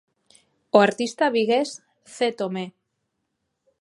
O artista vigués Cé Tomé.